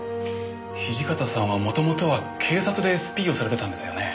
土方さんはもともとは警察でＳＰをされてたんですよね？